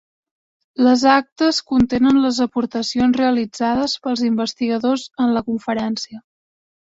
Les actes contenen les aportacions realitzades pels investigadors en la conferència.